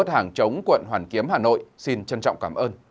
hàng chống quận hoàn kiếm hà nội xin trân trọng cảm ơn và hẹn gặp lại